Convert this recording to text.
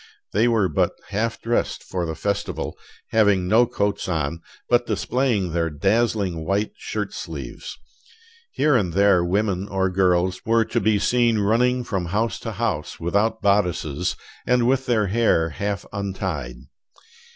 They were but half dressed for the festival, having no coats on, but displaying their dazzling white shirt sleeves. Here and there women or girls were to be seen running from house to house without bodices, and with their hair half untied.